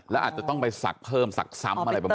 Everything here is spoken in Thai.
แล้วอาจจะต้องไปสักเพิ่มสักซ้ำอะไรประมาณแบบนั้น